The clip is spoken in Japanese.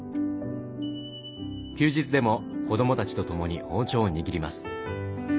休日でも子どもたちと共に包丁を握ります。